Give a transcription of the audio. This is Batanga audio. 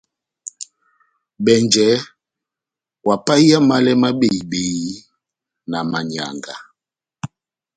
Bɛnjɛ ohapahiya málɛ má behi-behi na manyanga.